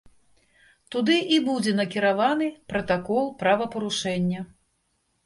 Туды і будзе накіраваны пратакол правапарушэння.